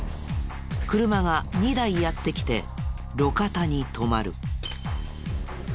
車が２台やって来て路肩に止まる。